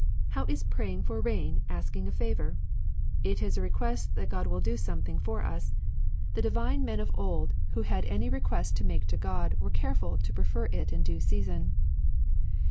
How is praying for rain asking a favour ? It is a request that God will do something for us. The divine men 40 CONFUCIANISM of old who had any request to make to God were careful to prefer it in due season.